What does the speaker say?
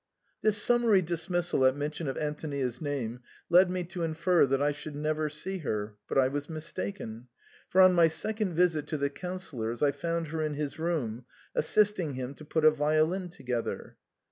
This summary dismissal at mention of Antonia's name led me to infer that I should never see her ; but I was mistaken, for on my second visit to the Council lor's I found her in his room, assisting him to put a violin together.